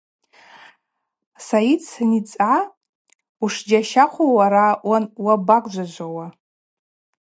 Сайыт саницӏгӏа: – Ушджьащахъву уара, уабагвжважвауа?